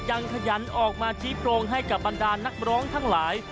ขยันออกมาชี้โปรงให้กับบรรดานักร้องทั้งหลาย